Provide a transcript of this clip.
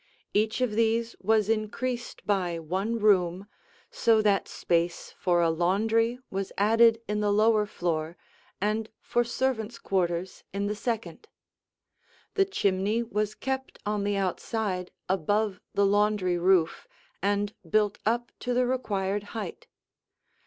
Each of these was increased by one room, so that space for a laundry was added in the lower floor and for servants' quarters in the second. The chimney was kept on the outside above the laundry roof and built up to the required height.